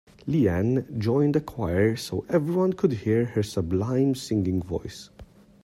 Leanne joined a choir so everyone could hear her sublime singing voice.